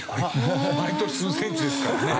毎年数センチですからね。